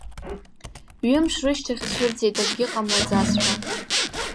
Ҩымш рышьҭахь дцәырҵит, акгьы ҟамлаӡазшәа.